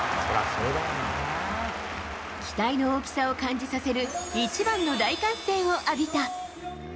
期待の大きさを感じさせる、一番の大歓声を浴びた。